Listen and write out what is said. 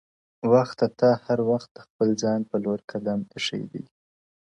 وخته تا هر وخت د خپل ځان په لور قدم ايښی دی~